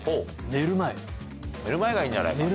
寝る前がいいんじゃないか。